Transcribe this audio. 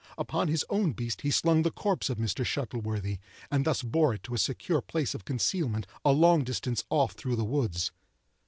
Upon his own beast he slung the corpse of Mr. Shuttleworthy, and thus bore it to a secure place of concealment a long distance off through the woods.